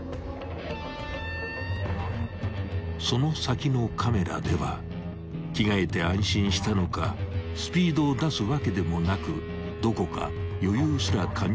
［その先のカメラでは着替えて安心したのかスピードを出すわけでもなくどこか余裕すら感じさせる男］